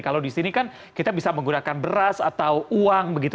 kalau di sini kan kita bisa menggunakan beras atau uang begitu